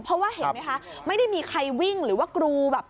เพราะว่าเห็นไหมคะไม่ได้มีใครวิ่งหรือว่ากรูแบบ